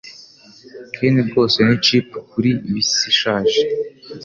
Ken rwose ni chip kuri bisi ishaje.